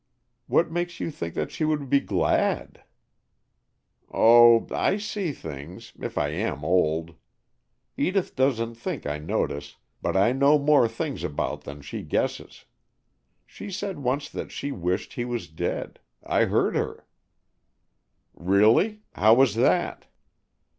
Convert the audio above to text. "What makes you think that she would be glad?" "Oh, I see things, if I am old. Edith doesn't think I notice, but I know more about things than she guesses. She said once that she wished he was dead. I heard her." "Really? How was that?"